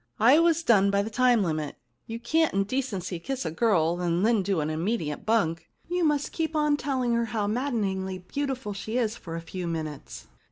I was done by the time limit. You can't in decency kiss a girl and then do an immediate bunk. You must keep on telling her how maddeningly beautiful she is for a few minutes.